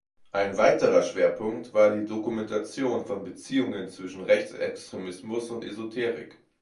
Ein weiterer Schwerpunkt war die Dokumentation von Beziehungen zwischen Rechtsextremismus und Esoterik.